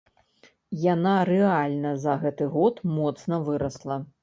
Яна рэальна за гэты год моцна вырасла.